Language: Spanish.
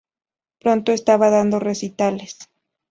Pronto estaba dando recitales.